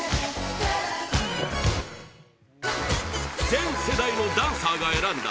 全世代のダンサーが選んだ！